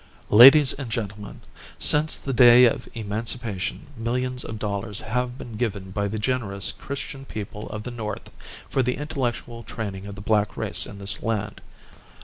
Ladies and gentlemen, since the day of emancipation millions of dollars have been given by the generous Christian people of the North for the intellectual training of the black race in this land.